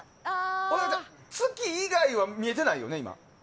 月以外は見えてないよね、今。